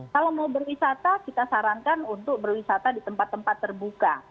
kalau mau berwisata kita sarankan untuk berwisata di tempat tempat terbuka